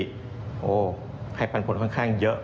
โอ้โหให้ปันผลค่อนข้างเยอะ